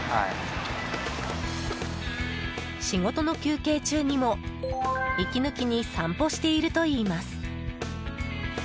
仕事の休憩中にも息抜きに散歩しているといいます。